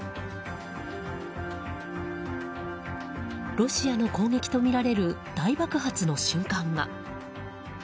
ロシアの攻撃とみられる大爆発の瞬間が。